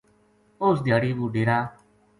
اُس دھیاڑی وہ ڈیرا